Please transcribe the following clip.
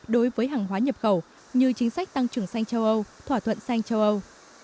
đối với hàng hóa nhập khẩu như chính sách tăng trưởng xanh châu âu thỏa thuận xanh châu âu